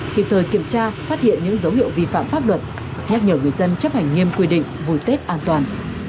kịp thời kiểm tra phát hiện những dấu hiệu vi phạm pháp luật nhắc nhở người dân chấp hành nghiêm quy định vui tết an toàn